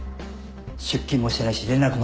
出勤もしてないし連絡もつかない。